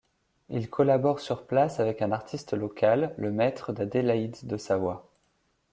Il collabore sur place avec un artiste local, le Maître d'Adélaïde de Savoie.